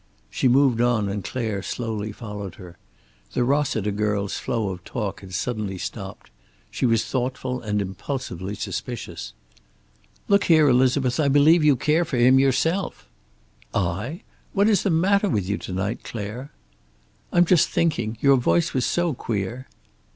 She moved on and Clare slowly followed her. The Rossiter girl's flow of talk had suddenly stopped. She was thoughtful and impulsively suspicious. "Look here, Elizabeth, I believe you care for him yourself." "I? What is the matter with you to night, Clare?" "I'm just thinking. Your voice was so queer."